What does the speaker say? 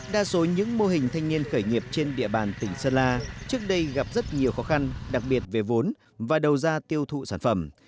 đa số những mô hình thanh niên khởi nghiệp trên địa bàn tỉnh sơn la trước đây gặp rất nhiều khó khăn đặc biệt về vốn và đầu ra tiêu thụ sản phẩm